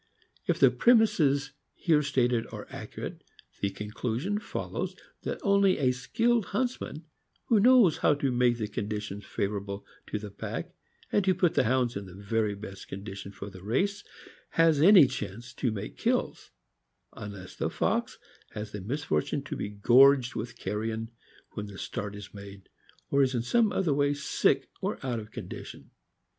If the premises here stated are accurate, the conclusion follows that only a skilled huntsman, who knows how to make the conditions favorable to the pack, and to put the Hounds in the very best condition for the race, has any chance to make kills, unless the fox has the misfortune to be gorged with carrion when the start is made, or is in some other way sick or out of condition.